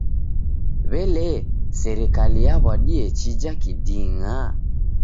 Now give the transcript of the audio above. W'elee, serikaliyaw'adie chija kiding'a?